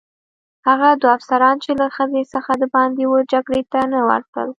هغه دوه افسران چې له خزې څخه دباندې وه جګړې ته نه راوتل.